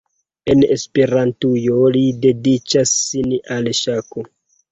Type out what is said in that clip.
En Esperantujo li dediĉas sin al ŝako.